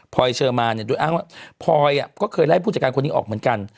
พอยเชอร์มาเนี่ยโดยอ้างว่าพลอยก็เคยไล่ผู้จัดการคนนี้ออกเหมือนกัน